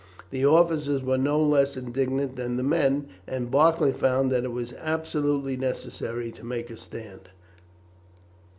The officers were no less indignant than the men, and Barclay found that it was absolutely necessary to make a stand.